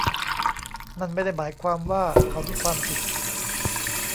นั่นไม่ได้หมายความว่าเขามีความผิด